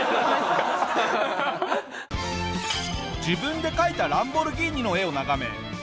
自分で描いたランボルギーニの絵を眺め